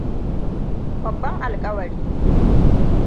Babban alƙawari ne.